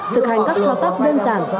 thực hành các thao tác đơn giản